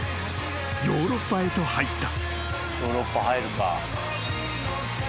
ヨーロッパへと入った］